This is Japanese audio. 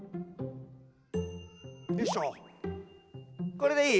これでいい？